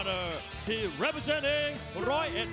ตอนนี้มวยกู้ที่๓ของรายการ